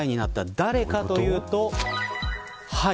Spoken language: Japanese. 誰かというとはい。